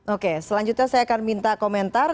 oke selanjutnya saya akan minta komentar